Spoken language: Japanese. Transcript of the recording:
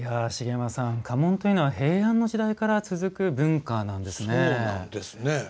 茂山さん、家紋というのは平安の時代から続く文化なんですね。